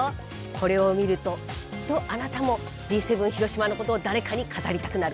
これを見るときっとあなたもＧ７広島のことを誰かに語りたくなる。